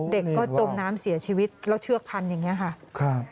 เด็กก็จมน้ำเสียชีวิตแล้วเชือกพันอย่างนี้ค่ะ